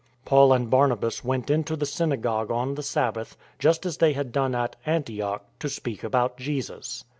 Paul and Barnabas went into the synagogue on the Sabbath, just as they had done at Antioch, to speak about Jesus.